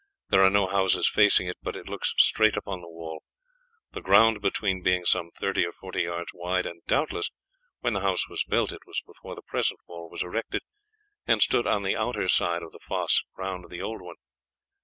There are no houses facing it, but it looks straight upon the wall, the ground between being some thirty or forty yards wide; and doubtless when the house was built, it was before the present wall was erected, and stood on the outer side of the fosse round the old one.